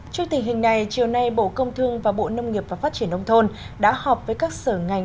trước tình hình này chiều nay bộ công thương và bộ nông nghiệp và phát triển nông thôn đã họp với các sở ngành